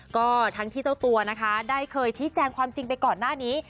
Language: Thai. ก็ทั้งที่เจ้าตัวนะคะได้เคยชี้แจงความจริงไปก่อนหน้านี้